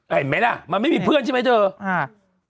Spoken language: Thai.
เห็นไหมล่ะมันไม่มีเพื่อนใช่ไหมเธออ่า